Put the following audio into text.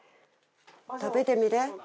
食べてみて。